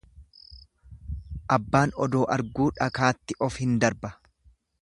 Abbaan odoo arguu dhakaatti of hin darba.